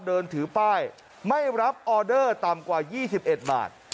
เดินถือป้ายไม่รับออเดอร์ต่ำกว่า๒๑บาท